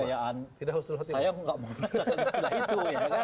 saya tidak mau bilang istilah itu